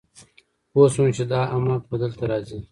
پوه شوم چې دا احمق به دلته راځي